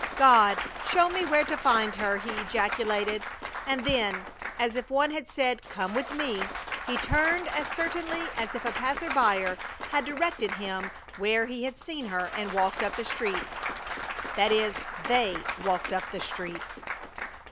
"God, show me where to find her!" he ejaculated, and then, as if one had said, "Come with me!" he turned as certainly as if a passer by had directed him where he had seen her, and walked up the street. That is, they walked up the street.